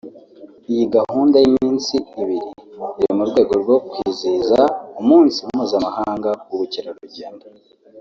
Iyi gahunda y’iminsi ibiri yari mu rwego rwo kwizihiza umunsi mpuzamahanga w’ubukerarugendo